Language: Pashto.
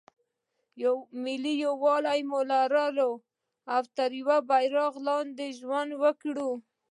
ملي یووالی ولري او تر یوه بیرغ لاندې ژوند وکړي.